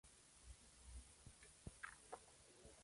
Hojas alternas, simples o divididas.